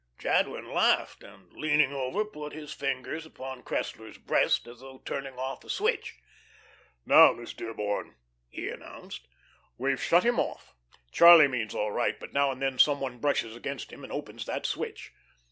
Jadwin laughed, and leaning over, put his fingers upon Cressler's breast, as though turning off a switch. "Now, Miss Dearborn," he announced, "we've shut him off. Charlie means all right, but now and then some one brushes against him and opens that switch."